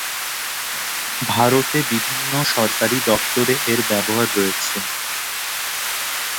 ভারতে বিভিন্ন সরকারি দপ্তরে এর ব্যবহার রয়েছে।